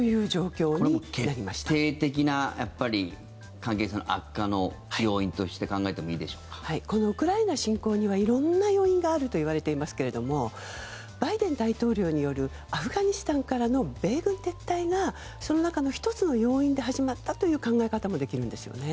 これはもう決定的な関係性の悪化の要因としてこのウクライナ侵攻には色んな要因があるといわれていますけれどもバイデン大統領によるアフガニスタンからの米軍撤退がその中の１つの要因で始まったという考え方もできるんですね。